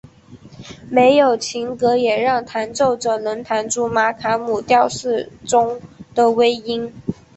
没有琴格也让弹奏者能弹出玛卡姆调式中的微音。